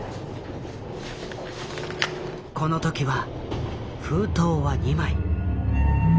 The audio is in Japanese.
この時は封筒は２枚。